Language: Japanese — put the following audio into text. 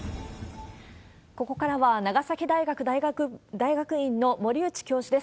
ここからは長崎大学大学院の森内教授です。